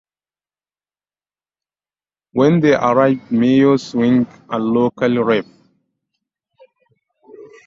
When they arrived Mayor Swing and local Rev.